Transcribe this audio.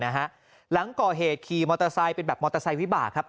หลังก่อเหตุขี่มอเตอร์ไซค์เป็นแบบมอเตอร์ไซค์วิบากครับ